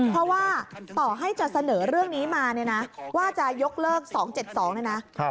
เพราะว่าต่อให้จะเสนอเรื่องนี้มาว่าจะยกเลิก๒๗๒นะ